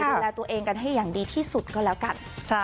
ดูแลตัวเองกันให้อย่างดีที่สุดก็แล้วกัน